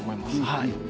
はい。